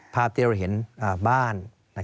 ภาพที่เราเห็นบ้าน